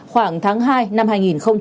khoảng tháng hai năm hai nghìn một mươi hai